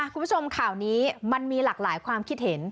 คุณผู้ชมข่าวนี้มันมีหลากหลายความคิดเห็น